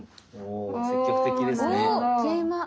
お積極的ですね。